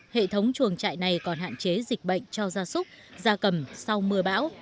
hệ thống chuồng trại này còn hạn chế dịch bệnh cho gia súc gia cầm sau mưa bão